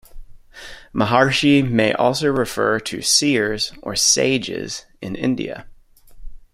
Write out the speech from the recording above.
"Maharshi" may also refer to "seers" or "sages" in India.